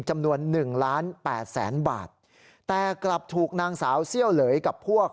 จำนวนหนึ่งล้านแปดแสนบาทแต่กลับถูกนางสาวเซี่ยวเหลยกับพวก